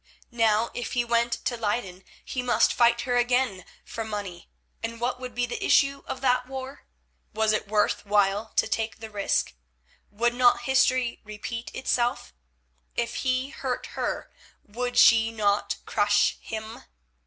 Now, if he went to Leyden, he must fight her again for money, and what would be the issue of that war? Was it worth while to take the risk? Would not history repeat itself? If he hurt her, would she not crush him?